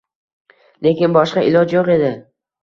Lekin boshqa iloj yo‘q edi.